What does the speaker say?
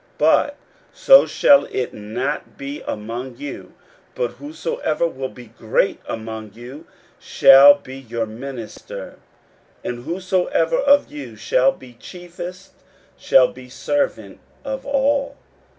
41:010:043 But so shall it not be among you: but whosoever will be great among you, shall be your minister: 41:010:044 And whosoever of you will be the chiefest, shall be servant of all.